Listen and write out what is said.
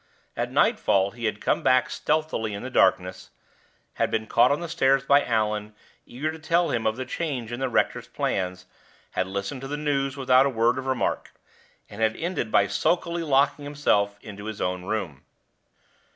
At nightfall he had come back stealthily in the darkness, had been caught on the stairs by Allan, eager to tell him of the change in the rector's plans, had listened to the news without a word of remark! and had ended by sulkily locking himself into his own room.